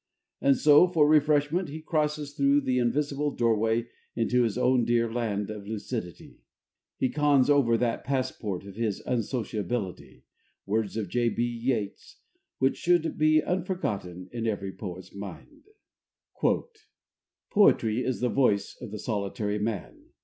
And so, for refreshment, he crosses through the invisible doorway into his own dear land of lucidity. He cons over that passport of his unsociability, words of J.B. Yeats which should be unforgotten in every poet's mind: Poetry is the voice of the solitary man.